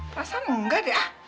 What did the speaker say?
masa munggah deh ah